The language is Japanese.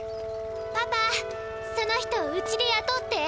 パパその人うちでやとって。